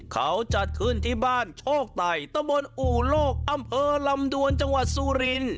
เขาจัดขึ้นที่บ้านโชคไตตะบนอู่โลกอำเภอลำดวนจังหวัดสุริน